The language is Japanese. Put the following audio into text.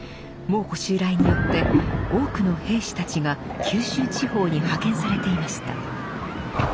蒙古襲来によって多くの兵士たちが九州地方に派遣されていました。